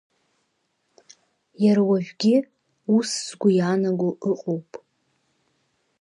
Иара уажәгьы ус згәы иаанаго ыҟоуп.